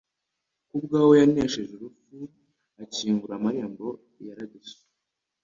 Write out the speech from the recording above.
ku bwawe yanesheje urupfu akingura amarembo ya Yaradiso.